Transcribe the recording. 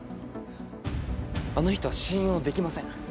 あの人は信用できません